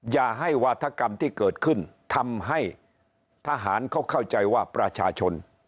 อย่าให้วาธกรรมที่เกิดขึ้นทำให้ทหารเขาเข้าใจว่าประชาชน